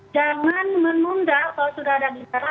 jangan menunda kalau sudah ada bicara